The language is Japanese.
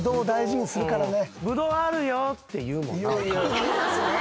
言いますね。